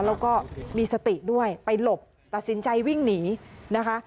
แล้วก็มีสติด้วยไปหลบตัดสินใจวิ่งหนีนะคะ